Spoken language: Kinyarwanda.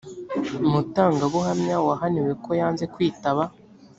mutangabuhamya wahaniwe ko yanze kwitaba